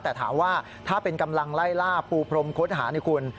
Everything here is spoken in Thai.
แต่ถามว่าถ้าเป็นกำลังไล่ล่าปูพรมค้นหานี่คุณ